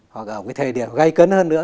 hoặc ở cái thời điểm gây cấn hơn nữa